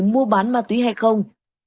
mua bán ma túy hay không